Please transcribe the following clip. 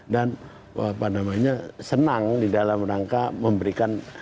dan senang di dalam rangka memberikan